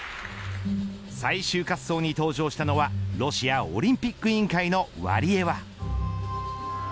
最終滑走に登場したのはロシアオリンピック委員会のワリエワ。